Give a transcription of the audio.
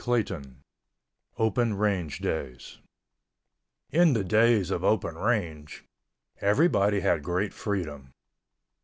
CHAPTER XIV OPEN RANGE DAYS In the days of open range, everybody had great freedom.